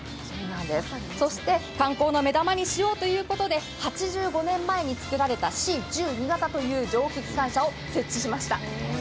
そして観光の目玉にしようということで８５年前につくられたＣ１２型という蒸気機関車を設置しました。